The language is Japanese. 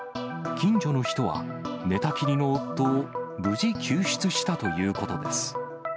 近所の人は、寝たきりの夫を無事救出したということです。